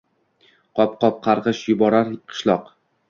Qop-qop qargʼish yuborar qishloq…